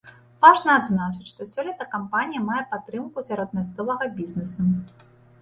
Важна адзначыць, што сёлета кампанія мае падтрымку сярод мясцовага бізнэсу.